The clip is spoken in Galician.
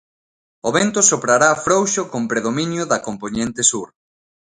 O vento soprará frouxo con predominio da compoñente sur.